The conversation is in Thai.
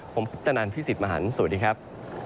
ผมคุปตนันพี่สิทธิ์มหันฯสวัสดีครับ